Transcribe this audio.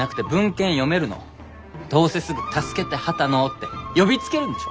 どうせすぐ「助けて波多野」って呼びつけるんでしょ？